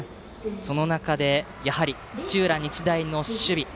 その中で、土浦日大の守備。